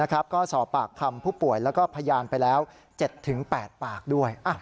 ก็สอบปากคำผู้ป่วยแล้วก็พยานไปแล้ว๗๘ปากด้วย